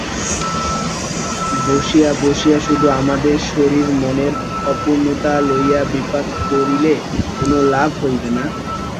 বসিয়া বসিয়া শুধু আমাদের শরীর-মনের অপূর্ণতা লইয়া বিলাপ করিলে কোন লাভ হইবে না।